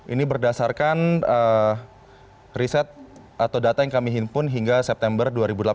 ini berdasarkan riset atau data yang kami himpun hingga september dua ribu delapan belas